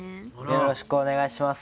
よろしくお願いします。